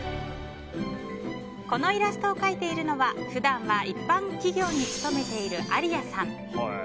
このイラストを描いているのは普段は一般企業に勤めているＡＲＩＡさん。